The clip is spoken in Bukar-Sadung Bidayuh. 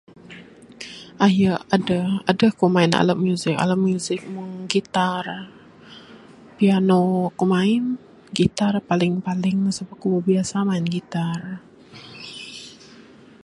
Aye adeh, adeh ku main alat music Meng gitar, piano aku main. Gitar paling paling masu ku suka main gitar.